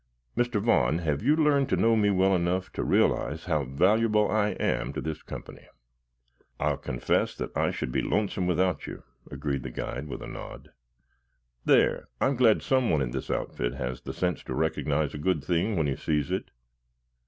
Mr. Vaughn, have you learned to know me well enough to realize how valuable I am to this company?" "I'll confess that I should be lonesome without you," agreed the guide with a nod. "There, I'm glad someone in this outfit has the sense to recognize a good thing when he sees it.